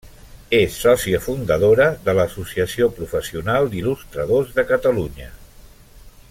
És sòcia fundadora de l'Associació professional d'Il·lustradors de Catalunya.